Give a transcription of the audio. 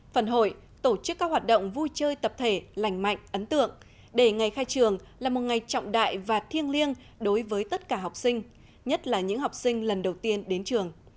phần hội tổ chức các hoạt động vui chơi tập thể lành mạnh ấn tượng để ngày khai trường là một ngày trọng đại và thiêng liêng đối với tất cả học sinh nhất là những học sinh lần đầu tiên đến trường